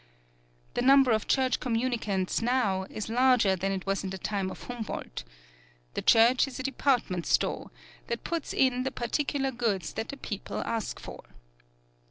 The number of Church communicants now is larger than it was in the time of Humboldt. The Church is a department store that puts in the particular goods that the people ask for.